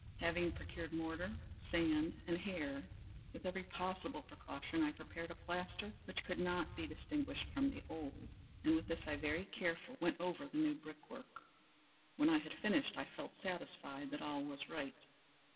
Having procured mortar, sand, and hair, with every possible precaution, I prepared a plaster which could not be distinguished from the old, and with this I very carefully went over the new brickwork. When I had finished, I felt satisfied that all was right.